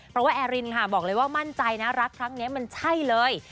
เพราะว่าแอรินค่ะบอกเลยว่ามั่นใจนะรักครั้งนี้มันใช่เลย